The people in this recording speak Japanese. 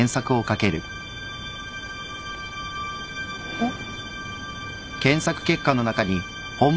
えっ。